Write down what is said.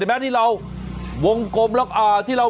เบิร์ตลมเสียโอ้โห